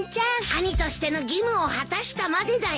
兄としての義務を果たしたまでだよ。